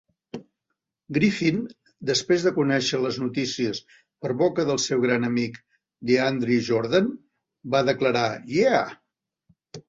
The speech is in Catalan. Griffin, després de conèixer les notícies per boca del seu gran amic DeAndre Jordan, va declarar "Yeah!"